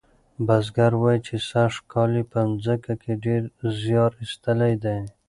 بزګر وایي چې سږکال یې په مځکه کې ډیر زیار ایستلی دی.